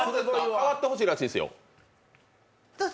座ってほしいらしいですよ。